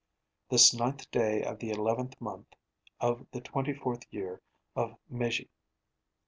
'This ninth day of the eleventh month of the twenty fourth year of Meiji.